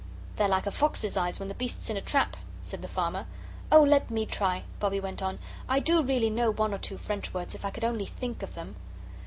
"They're like a fox's eyes when the beast's in a trap," said the farmer. "Oh, let me try!" Bobbie went on; "I do really know one or two French words if I could only think of them."